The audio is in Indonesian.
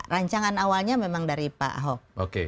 rancangan awalnya memang dari pak ahok